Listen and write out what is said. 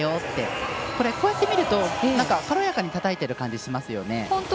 こうやって見ると軽やかにたたいている感じがしますよね。